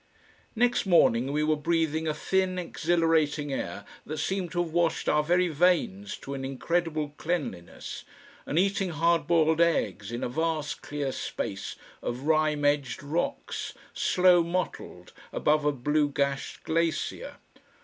Next morning we were breathing a thin exhilarating air that seemed to have washed our very veins to an incredible cleanliness, and eating hard boiled eggs in a vast clear space of rime edged rocks, snow mottled, above a blue gashed glacier.